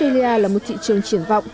australia là một thị trường triển vọng